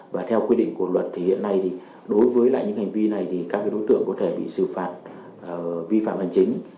và theo quy định của luật thì hiện nay thì đối với lại những hành vi này thì các đối tượng có thể bị xử phạt vi phạm hành chính